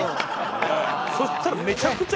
そしたら。